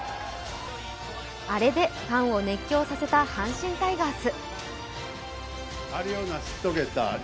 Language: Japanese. アレでファンを熱狂させた阪神タイガース。